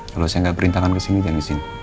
kalau saya gak perintahkan ke sini jangan di sini